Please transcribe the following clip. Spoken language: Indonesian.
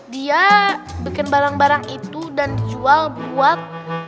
dia bikin barang barang itu dan jual buat